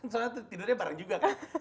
soalnya tidurnya bareng juga kan